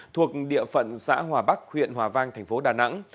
thuộc địa phận xã hòa bắc huyện hòa vang thành phố đà nẵng